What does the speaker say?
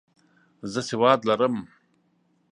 زه سواد لرم.